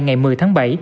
ngày một mươi tháng bảy